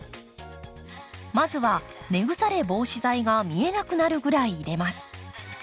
まずは根腐れ防止剤が見えなくなるぐらい入れます。